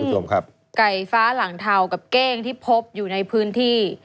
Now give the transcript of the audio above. ซึ่งไก่ฟ้าหลังเทากับเก้งที่พบอยู่ในพื้นที่